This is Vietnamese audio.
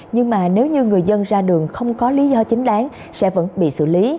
nhưng mà nếu như người dân ra đường không có lý do chính đáng sẽ vẫn bị xử lý